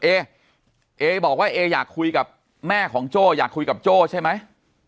เอเอบอกว่าเออยากคุยกับแม่ของโจ้อยากคุยกับโจ้ใช่ไหม